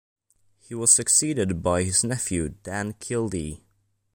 He was succeeded by his nephew Dan Kildee.